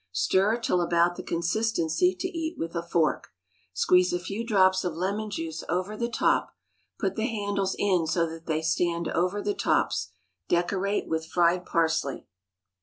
Stir till about the consistency to eat with a fork. Squeeze a few drops of lemon juice over the top. Put the handles in so that they stand over the tops. Decorate with fried parsley.